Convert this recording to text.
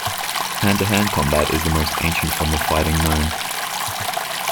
Hand-to-hand combat is the most ancient form of fighting known.